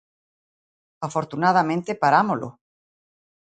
Afortunadamente, ¡parámolo!